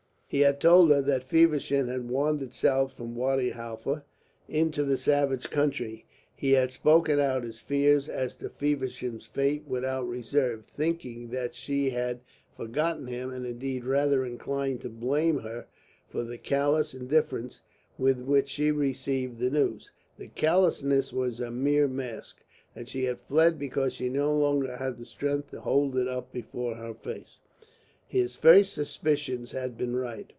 He had told her that Feversham had wandered south from Wadi Halfa into the savage country; he had spoken out his fears as to Feversham's fate without reserve, thinking that she had forgotten him, and indeed rather inclined to blame her for the callous indifference with which she received the news. The callousness was a mere mask, and she had fled because she no longer had the strength to hold it up before her face. His first suspicions had been right.